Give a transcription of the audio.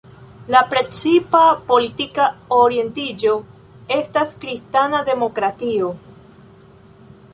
La precipa politika orientiĝo estas kristana demokratio.